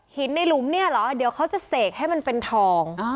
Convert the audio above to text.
ในหลุมเนี่ยเหรอเดี๋ยวเขาจะเสกให้มันเป็นทอง